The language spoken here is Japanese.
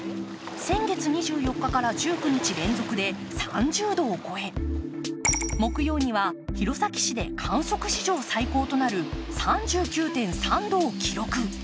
先月２４日から１９日連続で３０度を超え木曜には弘前市で観測史上最高となる３９．３度を記録。